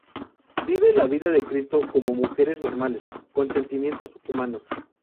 Viven la vida de Cristo como mujeres normales, con sentimientos humanos.